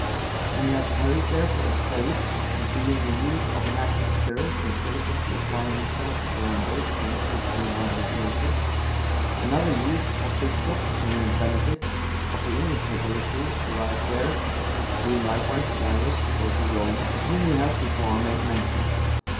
When he had tarried there for a space, and, being a youth of an active spirit, was diligently applying himself to learn those things which came under his notice, another youth, called Biscop, surnamed Benedict,(896) of the English nobility, arrived there, being likewise desirous to go to Rome, of whom we have before made mention.